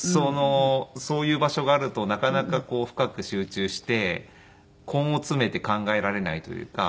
そういう場所があるとなかなかこう深く集中して根を詰めて考えられないというか。